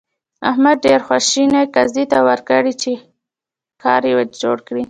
احمد ډېرې خوشمړې قاضي ته ورکړې چې کار يې ور جوړ کړي.